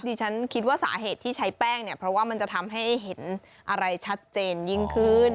ฉันคิดว่าสาเหตุที่ใช้แป้งเนี่ยเพราะว่ามันจะทำให้เห็นอะไรชัดเจนยิ่งขึ้น